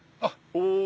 お。